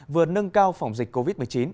vừa nâng cao phòng dịch covid một mươi chín